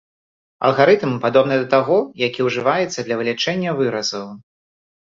Алгарытм падобны да таго, які ўжываецца для вылічэння выразаў.